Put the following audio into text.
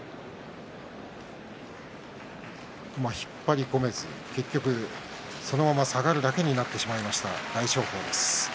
引っ張り込めず結局、そのまま下がるだけになってしまいました、大翔鵬です。